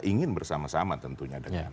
ingin bersama sama tentunya dengan